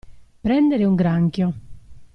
Prendere un granchio.